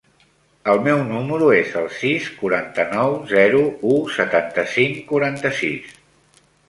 El meu número es el sis, quaranta-nou, zero, u, setanta-cinc, quaranta-sis.